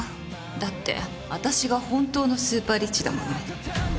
だって私が本当のスーパーリッチだもの。